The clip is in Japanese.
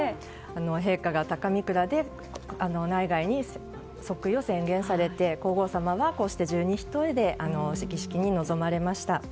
陛下が高御座で内外に即位を宣言されて皇后さまが十二単で儀式に臨まれました。